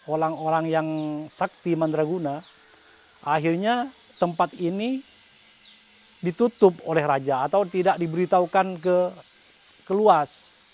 orang orang yang sakti mandraguna akhirnya tempat ini ditutup oleh raja atau tidak diberitahukan ke luas